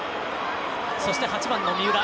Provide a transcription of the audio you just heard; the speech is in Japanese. そして８番の三浦。